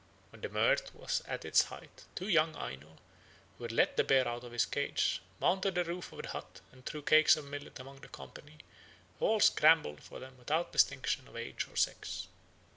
When the mirth was at its height two young Aino, who had let the bear out of his cage, mounted the roof of the hut and threw cakes of millet among the company, who all scrambled for them without distinction of age or sex.